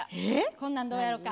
こんなんどうやろか。